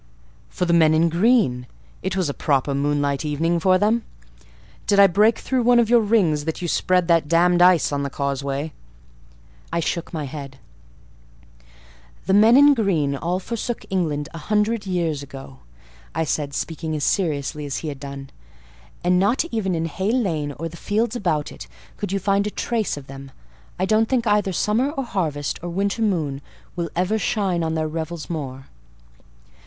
"For the men in green: it was a proper moonlight evening for them. Did I break through one of your rings, that you spread that damned ice on the causeway?" I shook my head. "The men in green all forsook England a hundred years ago," said I, speaking as seriously as he had done. "And not even in Hay Lane, or the fields about it, could you find a trace of them. I don't think either summer or harvest, or winter moon, will ever shine on their revels more."